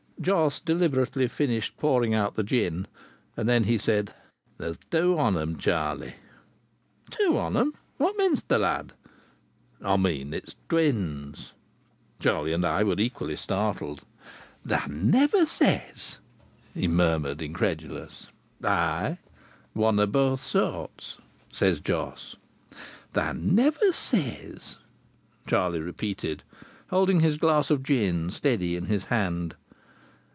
Jos deliberately finished pouring out the gin. Then he said: "There's two on 'em, Charlie." "Two on 'em? What mean'st tha', lad?" "I mean as it's twins." Charlie and I were equally startled. "Thou never says!" he murmured, incredulous. "Ay! One o' both sorts," said Jos. "Thou never says!" Charlie repeated, holding his glass of gin steady in his hand.